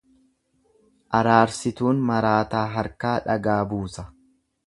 Araarsituun maraataa harkaa dhagaa buusa.